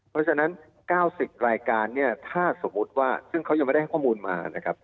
เพราะฉะนั้น๙๐รายการเนี่ยถ้าสมมุติว่าซึ่งเขายังไม่ได้ให้ข้อมูลมานะครับ